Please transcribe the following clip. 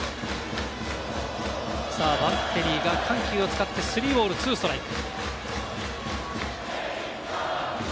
バッテリーが緩急を使って３ボール２ストライク。